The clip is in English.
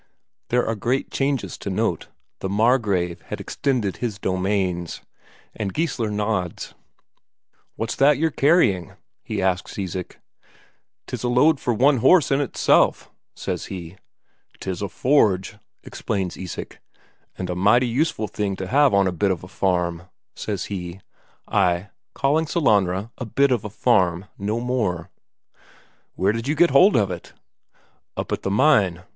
There are great changes to note; the Margrave had extended his domains. And Geissler nods. "What's that you're carrying?" he asks Isak. "'Tis a load for one horse in itself," says he. "'Tis for a forge," explains Isak. "And a mighty useful thing to have on a bit of a farm," says he ay, calling Sellanraa a bit of a farm, no more! "Where did you get hold of it?" "Up at the mine.